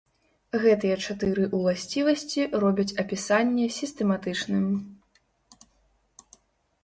Гэтыя чатыры ўласцівасці робяць апісанне сістэматычным.